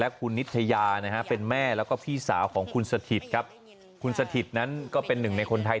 คุณนิตยานะฮะเป็นแม่แล้วก็พี่สาวของคุณสถิตครับคุณสถิตนั้นก็เป็นหนึ่งในคนไทย